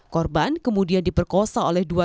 korban kemudian diperkosa oleh dua